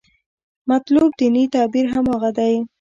مطلوب دیني تعبیر هماغه دی.